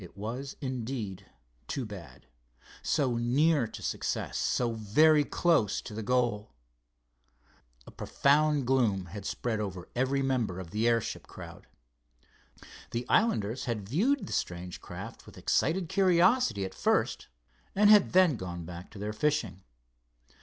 It was, indeed, too bad—so near to success, so very close to goal! A profound gloom had spread over every member of the airship crowd. The islanders had viewed the strange craft with excited curiosity at first, and had then gone back to their fishing.